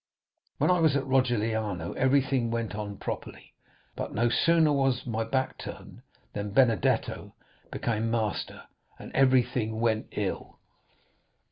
When I was at Rogliano everything went on properly, but no sooner was my back turned than Benedetto became master, and everything went ill.